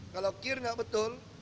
kalau kir nggak betul